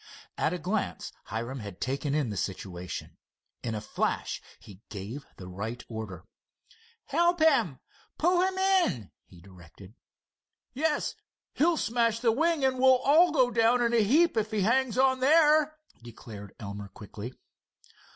At a glance Hiram had taken in the situation. In a flash he gave the right order. "Help him—pull him in," he directed. "Yes, he'll smash the wing and we'll all go down in a heap if he hangs on there," declared Elmer, quickly.